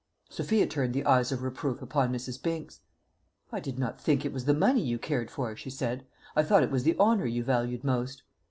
Sophia turned the eyes of reproof upon Mrs. Binks. "I did not think it was the money you cared for," she said; "I thought it was the honour you valued most."